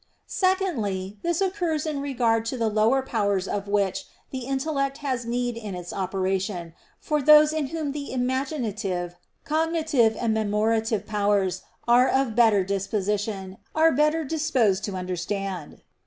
Secondly, this occurs in regard to the lower powers of which the intellect has need in its operation: for those in whom the imaginative, cogitative, and memorative powers are of better disposition, are better disposed to understand.